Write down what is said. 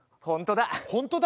本当だ。